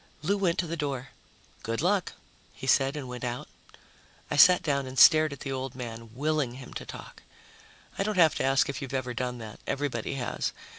Lou went to the door. "Good luck," he said, and went out. I sat down and stared at the old man, willing him to talk. I don't have to ask if you've ever done that; everybody has.